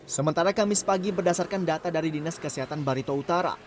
sementara kamis pagi berdasarkan data dari dinas kesehatan barito utara